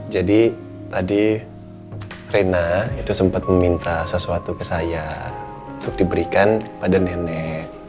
jadi tadi rena itu sempet meminta sesuatu ke saya untuk diberikan kepada nenek